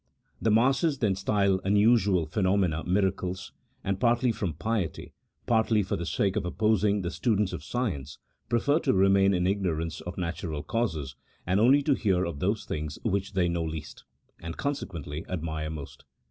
The masses then style unusual phenomena " miracles," and partly from piety, partly for the sake of opposing the students of science, prefer to remain in ignorance of natural causes, and only to hear of those things which they know least, and consequently admire most.